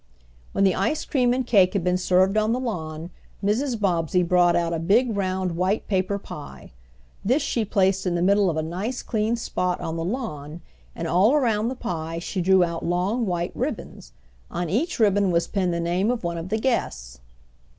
When the ice cream and cake had been served on the lawn, Mrs. Bobbsey brought out a big round white paper pie. This she placed in the middle of a nice clean spot on the lawn, and all around the pie she drew out long white ribbons. On each ribbon was pinned the name of one of the guests.